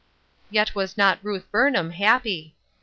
Yet was not Ruth Burnham happy.